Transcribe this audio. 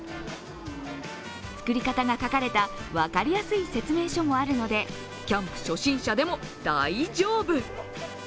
作り方が書かれた分かりやすい説明書もあるのでキャンプ初心者でも大丈夫。